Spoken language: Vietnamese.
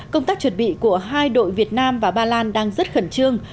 công tác chuẩn bị của hai đội việt nam và ba lan đang rất khẩn trương